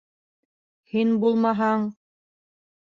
Һин булмаһаң...